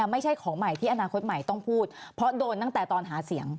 ไม่ใช่ของใหม่ที่อนาคตใหม่ต้องพูดเพราะโดนตั้งแต่ตอนหาเสียง